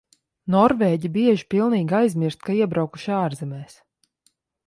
Norvēģi bieži pilnīgi aizmirst, ka iebraukuši ārzemēs.